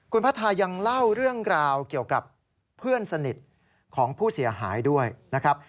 คุณพัทยายังเล่าเรื่องราวเกี่ยวกับเพื่อนสนิทของผู้เสียหายด้วยนะครับ